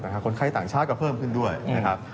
คนไข้ต่างชาติก็เพิ่มขึ้นด้วยนะครับ